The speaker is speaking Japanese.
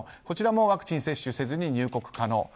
こちらもワクチン接種せずに入国可能。